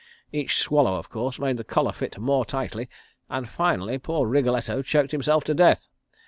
Each swallow, of course, made the collar fit more tightly and finally poor Wriggletto choked himself to death.